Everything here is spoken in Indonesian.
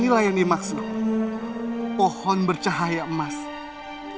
kau juga di mana mana